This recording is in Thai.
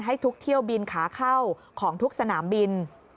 ให้ทุกเที่ยวบินขาเข้าของทุกสนามบิน